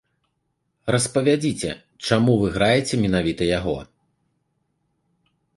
Распавядзіце, чаму вы граеце менавіта яго?